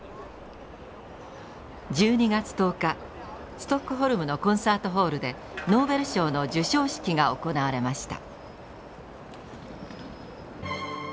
ストックホルムのコンサートホールでノーベル賞の授賞式が行われました。